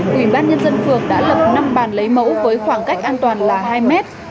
ủy ban nhân dân phường đã lập năm bàn lấy mẫu với khoảng cách an toàn là hai mét